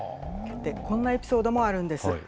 こんなエピソードもあるんです。